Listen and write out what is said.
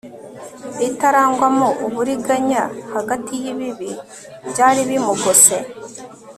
itarangwamo uburiganya hagati yibibi byari bimugose